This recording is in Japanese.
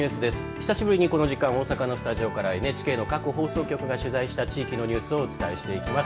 久しぶりにこの時間大阪のスタジオからＮＨＫの各放送局が取材した地域のニュースをお伝えしていきます。